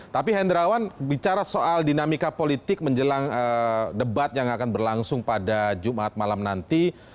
tapi hendrawan bicara soal dinamika politik menjelang debat yang akan berlangsung pada jumat malam nanti